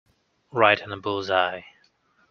Right on the bull's-eye.